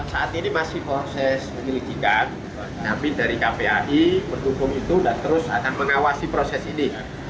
saat ini masih proses penyelidikan tapi dari kpai mendukung itu dan terus akan mengawasi proses ini